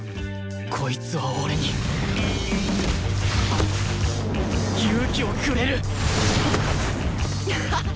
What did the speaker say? こいつは俺に勇気をくれるにゃは！